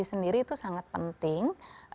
mengenal diri itu sangat penting